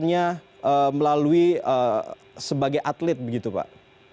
kemungkinan kematiannya melalui sebagai atlet begitu pak